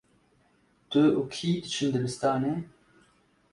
Tu û kî diçin dibistanê?